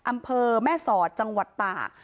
อำเภอแม่สอดจังหวัดตาก